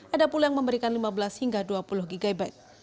ada pula yang memberikan lima belas hingga dua puluh gb